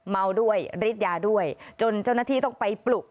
เมาด้วยฤทธิยาด้วยจนเจ้าหน้าที่ต้องไปปลุก